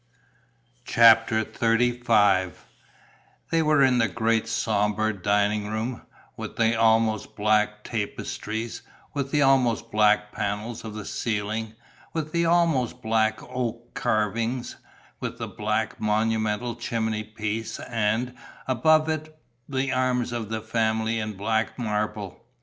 CHAPTER XXXV They were in the great sombre dining room, with the almost black tapestries, with the almost black panels of the ceiling, with the almost black oak carvings, with the black, monumental chimney piece and, above it, the arms of the family in black marble.